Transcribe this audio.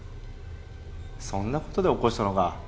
そんなことで起こしたのか？